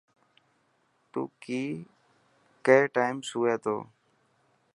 تون ڪي ٽائم سوئي تو.